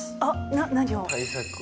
何を？